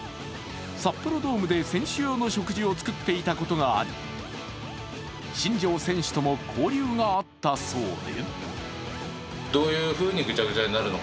札幌ドームで選手用の食事を作っていたことがあり、新庄選手とも交流があったそうで。